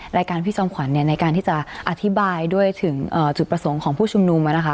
รายการพี่จอมขวัญในการที่จะอธิบายด้วยถึงจุดประสงค์ของผู้ชุมนุมนะคะ